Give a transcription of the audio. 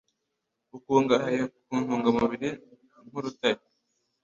Ukungahaye ku ntungamubiri nk’úrutare